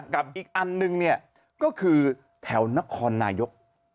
ครับอีกอันนึงเนี่ยก็คือแถวธนธนายท